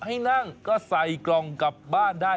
ให้นั่งก็ใส่กล่องกลับบ้านได้